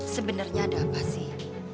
sebenarnya ada apa sih